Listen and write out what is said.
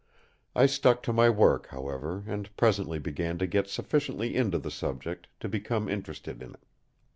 I stuck to my work, however, and presently began to get sufficiently into the subject to become interested in it.